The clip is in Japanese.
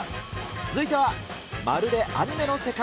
続いては、まるでアニメの世界！